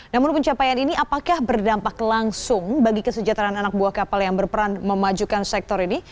namun pencapaian ini apakah berdampak langsung bagi kesejahteraan anak buah kapal yang berperan memajukan sektor ini